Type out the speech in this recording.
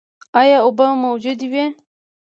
ایا اوبه موجودې وې؟